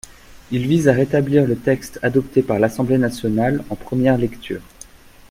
Il vise à rétablir le texte adopté par l’Assemblée nationale en première lecture.